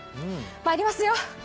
まいりますよ。